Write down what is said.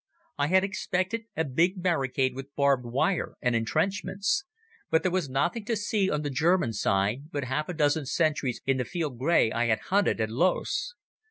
I had expected a big barricade with barbed wire and entrenchments. But there was nothing to see on the German side but half a dozen sentries in the field grey I had hunted at Loos.